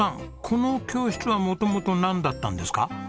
この教室は元々なんだったんですか？